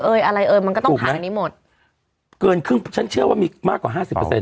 อะไรเอ่ยมันก็ต้องผ่านอันนี้หมดเกินครึ่งฉันเชื่อว่ามีมากกว่าห้าสิบเปอร์เซ็